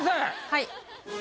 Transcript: はい。